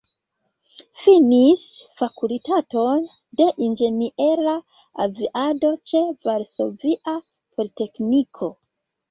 Finis Fakultaton de Inĝeniera Aviado ĉe Varsovia Politekniko.